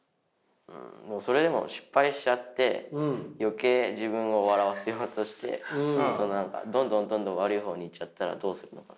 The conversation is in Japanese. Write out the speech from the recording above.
それでも失敗しちゃって余計自分を笑わせようとしてどんどんどんどん悪い方に行っちゃったらどうするのか？